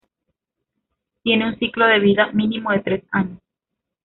Tienen un ciclo de vida mínimo de tres años.